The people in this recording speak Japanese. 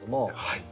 はい。